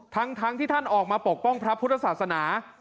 ทั้งที่ท่านออกมาปกป้องพระพุทธศาสนา